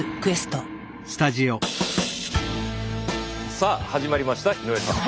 さあ始まりました井上さん。